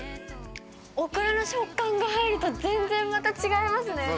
オクラの食感が入ると、全然また違いますね。